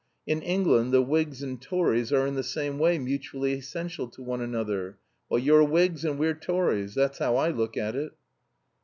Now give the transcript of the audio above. In England the Whigs and Tories are in the same way mutually essential to one another. Well, you're Whigs and we're Tories. That's how I look at it."